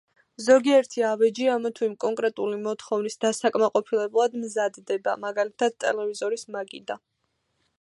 ზოგიერთი ავეჯი ამა თუ იმ კონკრეტული მოთხოვნის დასაკმაყოფილებლად მზადდება, მაგალითად, ტელევიზორის მაგიდა.